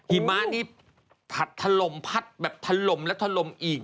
หิมะนี่ทัดทะลมพัดแบบทะลมและทะลมอีก